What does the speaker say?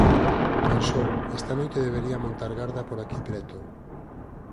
Pensou: Esta noite debería montar garda por aquí preto.